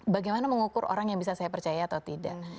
bagaimana mengukur orang yang bisa saya percaya atau tidak